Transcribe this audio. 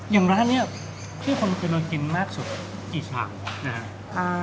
อย่างร้านนี้ที่คนมากินมากสุดกี่ชามครับ